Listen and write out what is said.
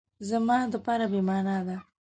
زما دپاره بی معنا ده